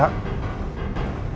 kamu masih sakit